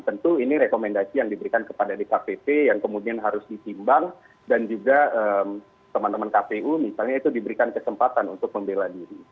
tentu ini rekomendasi yang diberikan kepada dkpp yang kemudian harus ditimbang dan juga teman teman kpu misalnya itu diberikan kesempatan untuk membela diri